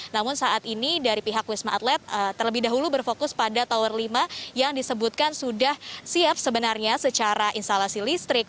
namun saat ini dari pihak wisma atlet terlebih dahulu berfokus pada tower lima yang disebutkan sudah siap sebenarnya secara instalasi listrik